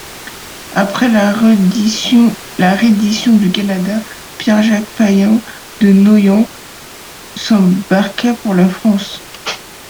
Après la reddition du Canada, Pierre-Jacques Payen de Noyan s'embarqua pour la France.